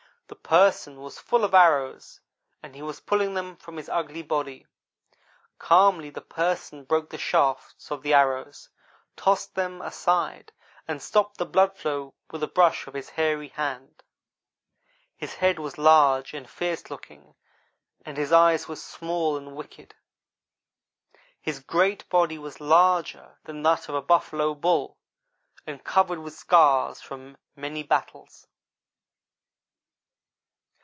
The Person was full of arrows, and he was pulling them from his ugly body. Calmly the Person broke the shafts of the arrows, tossed them aside, and stopped the blood flow with a brush of his hairy hand. His head was large and fierce looking, and his eyes were small and wicked. His great body was larger than that of a buffalo bull and covered with scars of many battles.